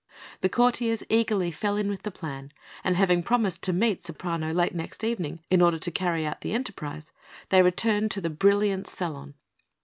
The courtiers eagerly fell in with the plan, and having promised to meet Ceprano late next evening in order to carry out the enterprise, they returned to the brilliant salon.